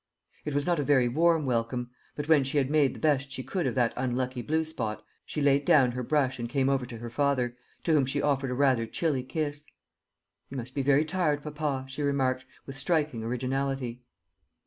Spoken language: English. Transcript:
It was not a very warm welcome; but when she had made the best she could of that unlucky blue spot, she laid down her brush and came over to her father, to whom she offered a rather chilly kiss. "You must be very tired, papa," she remarked, with striking originality.